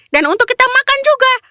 untuk kita makan juga